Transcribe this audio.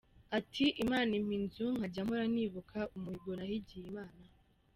Ati "Imana impa inzu nkajya mpora nibuka umuhigo nahigiye Imana.